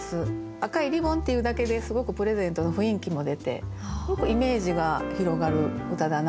「赤いリボン」っていうだけですごくプレゼントの雰囲気も出てすごくイメージが広がる歌だなと思いますね。